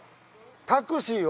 タクシーを。